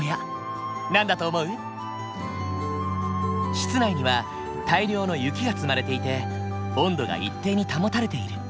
室内には大量の雪が積まれていて温度が一定に保たれている。